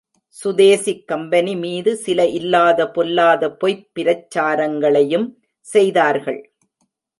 சுதேசிக் company மீது சில இல்லாத பொல்லாத பொய்ப் பிரச்சாரங்களையும் செய்தார்கள்.